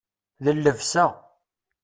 D llebsa.